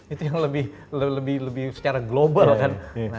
itu yang lebih secara global kan